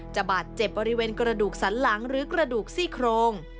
บาดเจ็บบริเวณกระดูกสันหลังหรือกระดูกซี่โครง